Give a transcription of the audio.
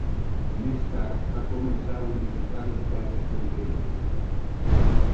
Més tard va començar a unificar les terres conquerides.